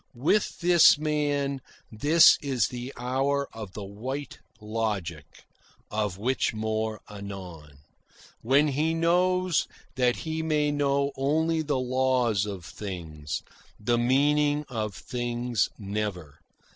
With this man this is the hour of the white logic (of which more anon), when he knows that he may know only the laws of things the meaning of things never.